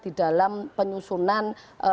di dalam penyusunan